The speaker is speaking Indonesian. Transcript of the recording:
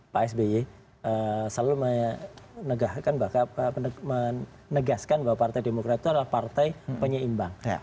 pak sby selalu menegaskan bahwa partai demokrat itu adalah partai penyeimbang